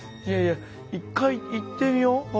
いやいや一回行ってみよう。